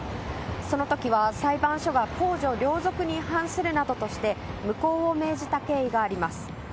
その時は、裁判所が公序良俗に反するなどとして無効を命じた経緯があります。